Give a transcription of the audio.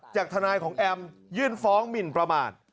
จากทนายของแอมยื่นฟ้องหมินประมาท